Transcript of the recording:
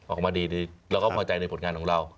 ออกมาดีเราก็พอใจในผลงานของเรา